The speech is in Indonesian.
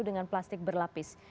dengan plastik berlapis